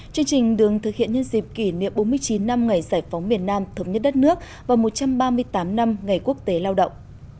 chương trình đường thực hiện nhân dịp kỷ niệm bốn mươi chín năm ngày giải phóng miền nam thống nhất đất nước và một trăm ba mươi tám năm ngày quốc tế lao động